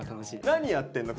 何やってんの？